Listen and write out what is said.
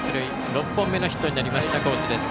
６本目のヒットになりました高知です。